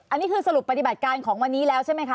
อันนี้คือสรุปปฏิบัติการของวันนี้แล้วใช่ไหมคะ